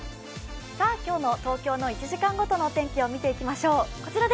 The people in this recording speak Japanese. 今日の東京の１時間ごとのお天気を見ていきましょう。